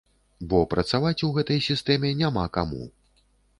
Бо працаваць у гэтай сістэме няма каму.